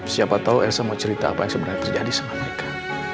siapa tahu elsa mau cerita apa yang sebenarnya terjadi sama mereka